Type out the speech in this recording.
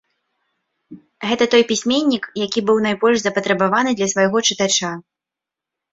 Гэта той пісьменнік, які быў найбольш запатрабаваны для свайго чытача.